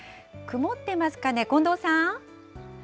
曇ってますかね、近藤さん。